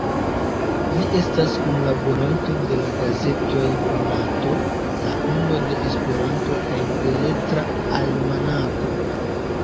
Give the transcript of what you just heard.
Li estas kunlaboranto de la gazetoj Monato, La Ondo de Esperanto kaj Beletra Almanako.